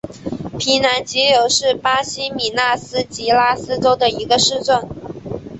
皮兰吉纽是巴西米纳斯吉拉斯州的一个市镇。